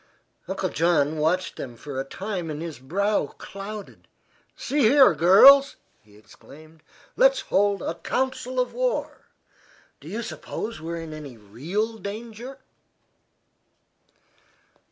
Uncle John watched them for a time, and his brow clouded. "See here, girls," he exclaimed; "let's hold a council of war. Do you suppose we are in any real danger?"